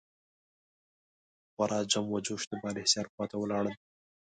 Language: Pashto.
په خورا جم و جوش د بالاحصار خوا ته ولاړل.